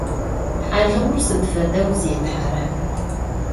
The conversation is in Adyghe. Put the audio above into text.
Halığur sıd fedeu zêthera?